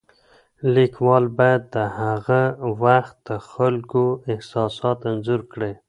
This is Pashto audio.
لیکوال باید د هغه وخت د خلکو احساسات انځور کړي.